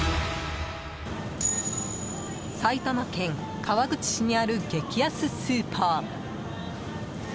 埼玉県川口市にある激安スーパー。